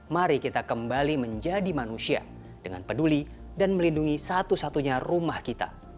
mari kita kembali menjadi manusia dengan peduli dan melindungi satu satunya rumah kita